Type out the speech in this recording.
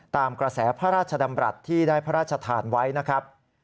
ตามกระแสพระราชดำรัฐที่ได้พระราชทานไว้นะครับ